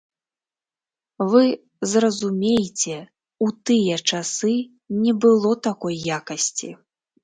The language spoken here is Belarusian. Вы зразумейце, у тыя часы не было такой якасці.